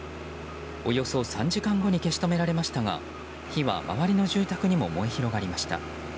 およそ３時間後に消し止められましたが火は周りの住宅にも燃え広がりました。